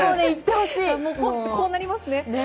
こうなりますね。